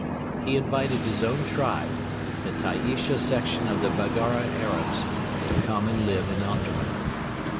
He invited his own tribe, the Taaisha section of the Baggara Arabs, to come and live in Omdurman.